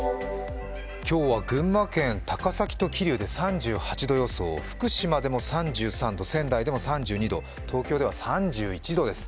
今日は群馬県高崎と桐生で３８度予想、福島でも３３度、仙台でも３２度、東京では３１度です。